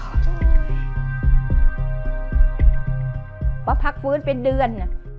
เพราะพักฟื้นเป็นเดือน